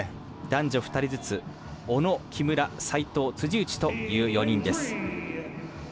男女２人ずつ小野、木村、齋藤、辻内という４人です。